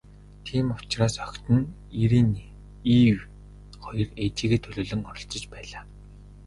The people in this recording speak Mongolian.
Тийм учраас охид нь, Ирене Эве хоёр ээжийгээ төлөөлөн оролцож байлаа.